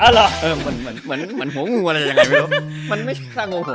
เหมือนหัวงึงอะไรยังไงไม่รู้